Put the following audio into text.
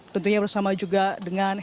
tentunya bersama juga dengan